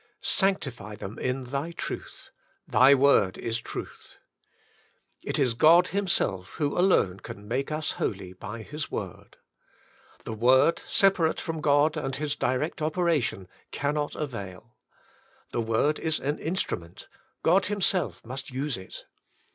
" Sanctify them in Thy truth. Thy word is truth.'' It is God Himself Who alone Can Make us Holy by His Word. The word, sepa rate from God and His direct operation, cannot avail. The word is an instrument: God Himself must use it.